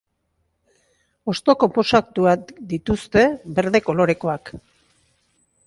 Hosto konposatuak dituzte, berde kolorekoak.